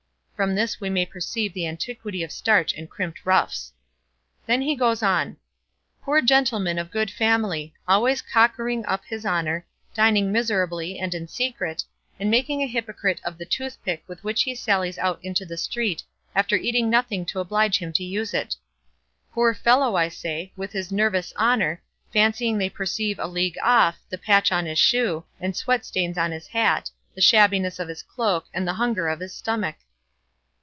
(From this we may perceive the antiquity of starch and crimped ruffs.) Then he goes on: "Poor gentleman of good family! always cockering up his honour, dining miserably and in secret, and making a hypocrite of the toothpick with which he sallies out into the street after eating nothing to oblige him to use it! Poor fellow, I say, with his nervous honour, fancying they perceive a league off the patch on his shoe, the sweat stains on his hat, the shabbiness of his cloak, and the hunger of his stomach!"